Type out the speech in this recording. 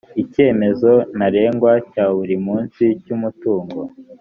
icyemezo ntarengwa cya buri munsi cy umutungo